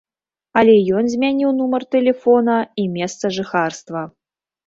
Але ён змяніў нумар тэлефона і месца жыхарства.